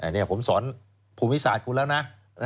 นี่ผมสอนภูมิศาสตร์คุณแล้วนะ